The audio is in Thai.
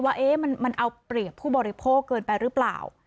ว่ามันเอาเปรียบผู้บริโภคเกินไปหรือเปล่า